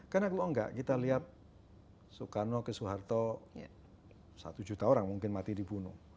karena kalau enggak kita lihat soekarno ke soeharto satu juta orang mungkin mati dibunuh